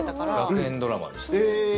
学園ドラマでした。